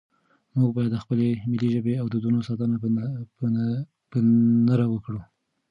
موږ باید د خپلې ملي ژبې او دودونو ساتنه په نره وکړو.